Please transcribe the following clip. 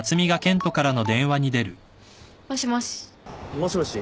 もしもし。